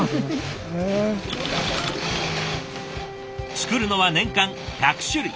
作るのは年間１００種類。